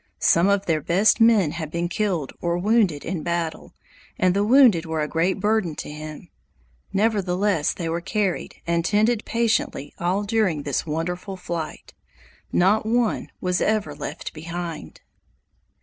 Some of their best men had been killed or wounded in battle, and the wounded were a great burden to him; nevertheless they were carried and tended patiently all during this wonderful flight. Not one was ever left behind.